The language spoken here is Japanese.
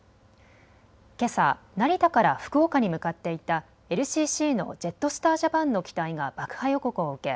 けさ、成田から福岡に向かっていたＬＣＣのジェットスター・ジャパンの機体が爆破予告を受け